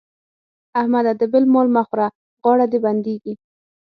احمده! د بل مال مه خوره غاړه دې بندېږي.